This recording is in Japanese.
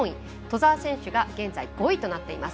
兎澤選手が現在５位となっています。